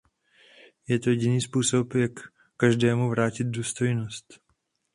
Je to jediný způsob, jak každému vrátit důstojnost.